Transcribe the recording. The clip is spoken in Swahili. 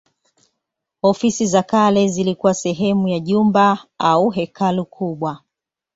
Ofisi za kale zilikuwa sehemu ya jumba au hekalu kubwa.